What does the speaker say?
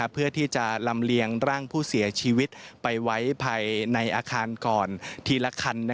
เพื่อที่จะลำเลียงร่างผู้เสียชีวิตไปไว้ภายในอาคารก่อนทีละคัน